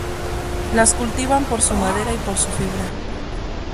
Las cultivan por su madera y por su fibra.